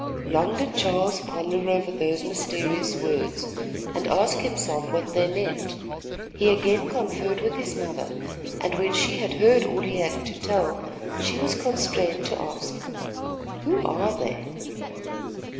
Long did Charles ponder over those mysterious words, and ask himself what they meant. He again conferred with his mother, and when she had heard all he had to tell, she was constrained to ask: "Who are they?"